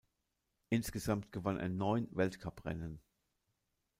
Insgesamt gewann er neun Weltcuprennen.